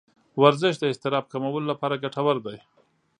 ورزش د اضطراب کمولو لپاره ګټور دی.